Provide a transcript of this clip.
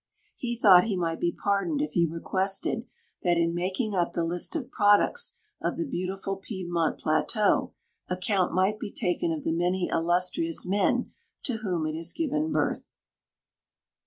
He thought he might be pardoned if he requested that, in making up the li.st of i)roducts of the beautiful Piedmont plateau, account might be taken of the many illustrious men to whom it has given birth.